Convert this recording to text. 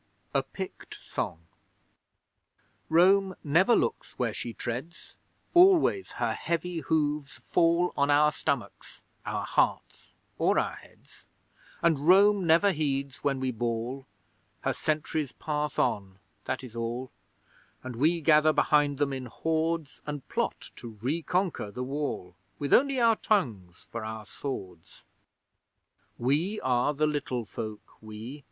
A PICT SONG Rome never looks where she treads, Always her heavy hooves fall On our stomachs, our hearts or our heads; And Rome never heeds when we bawl. Her sentries pass on that is all, And we gather behind them in hordes, And plot to reconquer the Wall, With only our tongues for our swords. We are the Little Folk we!